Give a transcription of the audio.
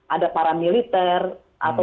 ada paramiliter atau